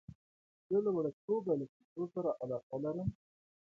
زه له وړکتوبه له کیسو سره علاقه لرم.